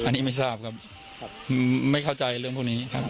อันนี้ไม่ทราบครับไม่เข้าใจเรื่องพวกนี้ครับ